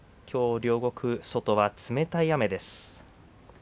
きょう両国、外は冷たい雨です。